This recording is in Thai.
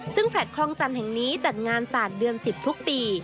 ซึ่งแลตคลองจันทร์แห่งนี้จัดงานศาสตร์เดือน๑๐ทุกปี